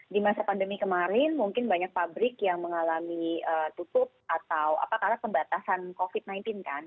di masa pandemi kemarin mungkin banyak pabrik yang mengalami tutup atau apa karena pembatasan covid sembilan belas kan